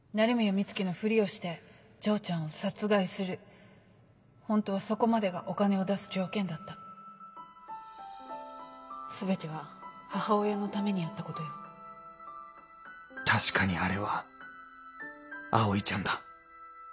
美月のふりをして丈ちゃホントはそこまでがお金を出す条件だ全ては母親のためにやったこ確かにあれは葵ちゃんだ